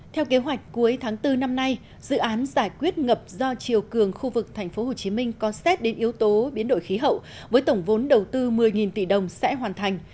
theo kế hoạch cuối tháng bốn năm nay dự án giải quyết ngập do triều cường khu vực tp hcm có xét đến yếu tố biến đổi khí hậu với tổng vốn đầu tư một mươi tỷ đồng sẽ hoàn thành